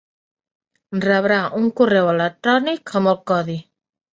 Rebrà un correu electrònic amb el codi.